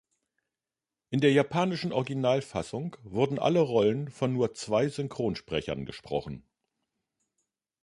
In der japanischen Originalfassung wurden alle Rollen von nur zwei Synchronsprechern gesprochen.